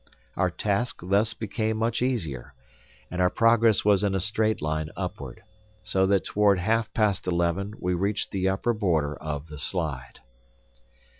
Our task thus became much easier, and our progress was in a straight line upward, so that toward half past eleven we reached the upper border of the "slide."